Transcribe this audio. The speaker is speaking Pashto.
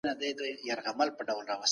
بشر د قوانینو د کشف هڅه کوي.